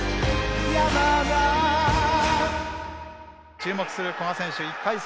注目する古賀選手、１回戦。